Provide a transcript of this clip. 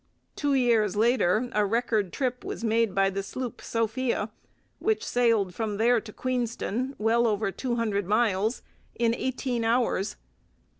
Two years later a record trip was made by the sloop Sophia, which sailed from there to Queenston, well over two hundred miles, in eighteen hours.